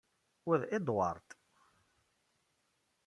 Wa d Edward.